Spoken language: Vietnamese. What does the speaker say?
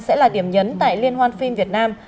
sẽ là điểm nhấn tại liên hoan phim việt nam